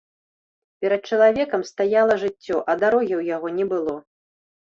Перад чалавекам стаяла жыццё, а дарогі ў яго не было.